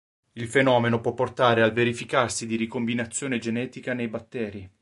Il fenomeno può portare al verificarsi di ricombinazione genetica nei batteri.